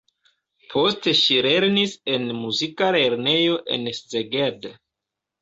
Poste ŝi lernis en muzika lernejo en Szeged.